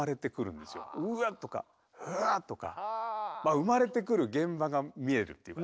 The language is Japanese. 生まれてくる現場が見えるっていうかね。